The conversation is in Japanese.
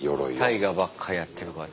大河ばっかやってるから。